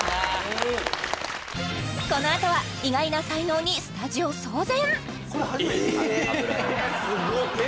このあとは意外な才能にスタジオ騒然？